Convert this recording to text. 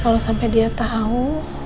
kalau sampai dia tahu